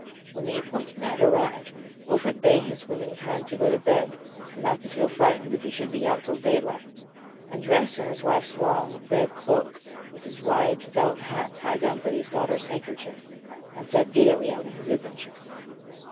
When the appointed night arrived Wolfert bade his women kind go to bed and not to feel frightened if he should be out till daylight; and dressed in his wife's long, red cloak, with his wide felt hat tied down by his daughter's handkerchief, he set gaily out on his adventure.